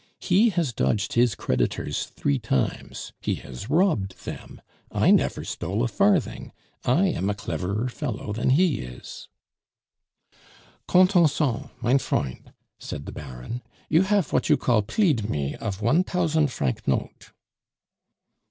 "He has dodged his creditors three times; he has robbed them; I never stole a farthing; I am a cleverer fellow than he is " "Contenson, mein freund," said the Baron, "you haf vat you call pleed me of one tousand franc note."